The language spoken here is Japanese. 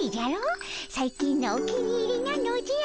最近のお気に入りなのじゃ。